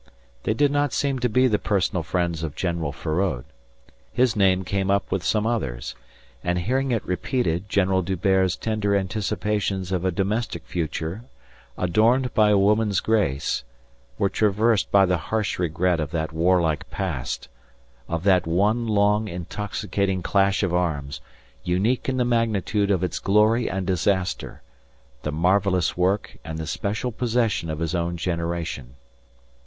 They did not seem to be the personal friends of General Feraud. His name came up with some others; and hearing it repeated General D'Hubert's tender anticipations of a domestic future adorned by a woman's grace were traversed by the harsh regret of that warlike past, of that one long, intoxicating clash of arms, unique in the magnitude of its glory and disaster the marvellous work and the special possession of his own generation.